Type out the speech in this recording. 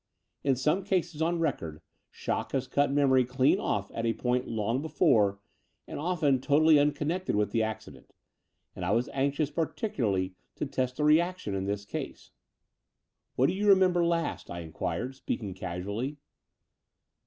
In some cases on record shock has cut memory clean off at a point long before and often, totally unconnected with the accident; and I was anxious particularly to test the reaction in this case. "What do you remember last?" I inquired, speaking casually.